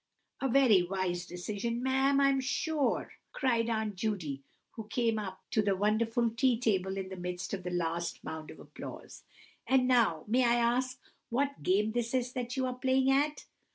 "A very wise decision, ma'am, I'm sure!" cried Aunt Judy, who came up to the wonderful tea table in the midst of the last mound of applause. "And now may I ask what game this is that you are playing at?"